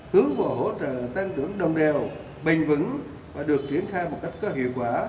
hướng vào hỗ trợ tăng trưởng đồng đều bình vững và được triển khai một cách có hiệu quả